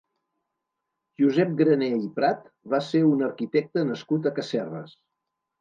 Josep Graner i Prat va ser un arquitecte nascut a Casserres.